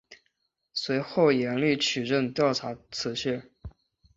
随后严厉取证调查此事。